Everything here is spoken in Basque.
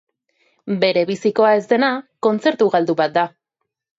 Berebizikoa ez dena kontzertu galdu bat da.